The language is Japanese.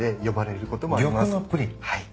はい。